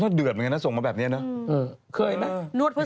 น่าเดือดด้วยอ่ะน่าส่งมาแบบเนี้ยเนอะ